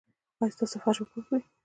ایا ستاسو فرش به پاک وي؟